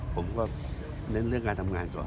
ผมก็เน้นเรื่องการทำงานก่อน